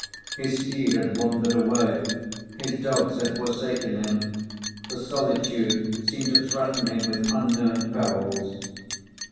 His steed had wandered away; his dogs had forsaken him; the solitude seemed to threaten him with unknown perils.